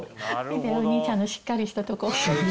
見てお兄ちゃんのしっかりしたとこ。